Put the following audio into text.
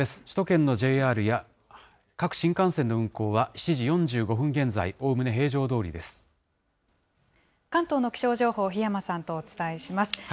首都圏のＪＲや各新幹線の運行は７時４５分現在、関東の気象情報、檜山さんとお伝えします。